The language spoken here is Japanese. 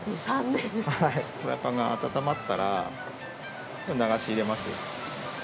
フライパンが温まったら流し入れます。